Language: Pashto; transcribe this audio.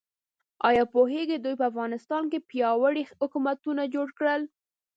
ایا پوهیږئ دوی په افغانستان کې پیاوړي حکومتونه جوړ کړل؟